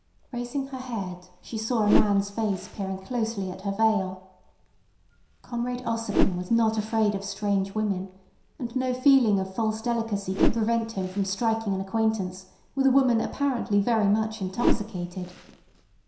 Raising her head, she saw a man's face peering closely at her veil. Comrade Ossipon was not afraid of strange women, and no feeling of false delicacy could prevent him from striking an acquaintance with a woman apparently very much intoxicated.